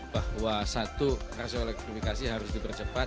bahwa satu rasio elektrifikasi harus dipercepat